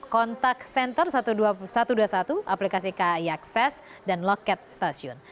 kontak senter satu ratus dua puluh satu aplikasi kai akses dan loket stasiun